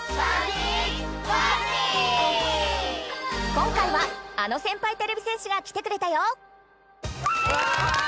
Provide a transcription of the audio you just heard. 今回はあの先輩てれび戦士が来てくれたよ！